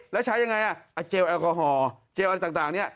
แล้วใช้ยังไงเจลแอลกอฮอล์เจลอะไรต่างเนี่ย